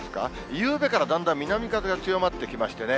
夕方からだんだん南風が強まってきましてね。